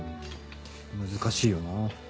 難しいよな。